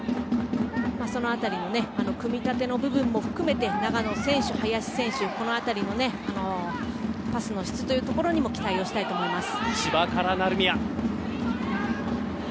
その辺りの組み立ての部分も含め長野選手、林選手この辺りのパスの質にも期待をしたいと思います。